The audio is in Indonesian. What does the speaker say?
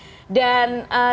terima kasih sekali